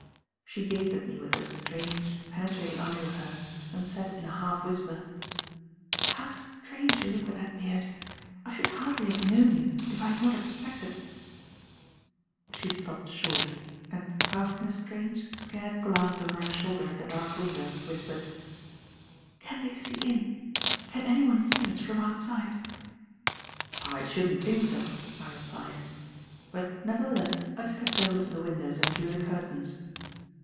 She gazed at me with those strange, penetrating eyes of hers and said in a half whisper: "How strange you look with that beard. I should hardly have known you if I had not expected " She stopped short, and, casting a strange, scared glance over her shoulder at the dark windows, whispered: "Can they see in? Can anyone see us from outside?" "I shouldn't think so," I replied; but, nevertheless, I stepped over to the windows and drew the curtains.